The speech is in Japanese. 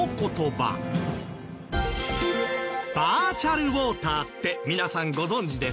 バーチャルウォーターって皆さんご存じですか？